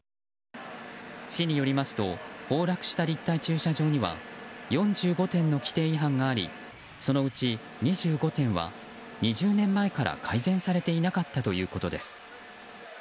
市によりますと崩落した立体駐車場には４５点の規定違反がありそのうち２５点は２０年前から改善されていなかったということです。